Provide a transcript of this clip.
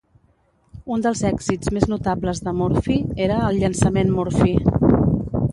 Un dels èxits més notables de Murphy era el "llançament Murphy".